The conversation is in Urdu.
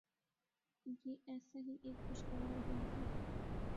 یہ ایسا ہی ایک خوشگوار دن تھا۔